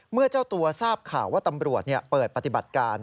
เจ้าตัวทราบข่าวว่าตำรวจเปิดปฏิบัติการ